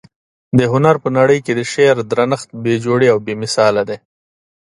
د هنر په نړۍ کي د شعر درنښت بې جوړې او بې مثاله دى.